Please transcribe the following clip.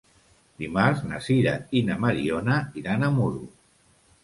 Dimarts na Sira i na Mariona iran a Muro.